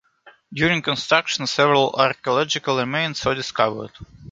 During construction several archaeological remains were discovered.